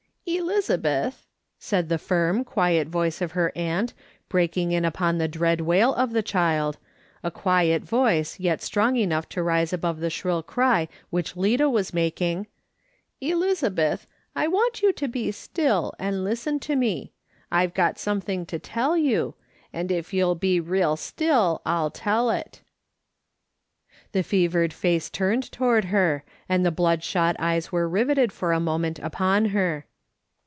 " Elizabeth," said the firm, quiet voice of her aunt, breaking in upon the dread wail of the child, a quiet voice, yet strong enough to rise above the shrill cry which Lida was making, " Elizabeth, I want you to be still, and listen to me ! I've got something to tell you. If you'll be real still I'll tell it." The fevered face turned toward her, and the blood shot eyes were riveted for a moment upon her.